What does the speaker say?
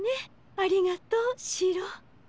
ありがとうシロー。